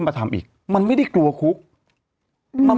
มันติดคุกออกไปออกมาได้สองเดือน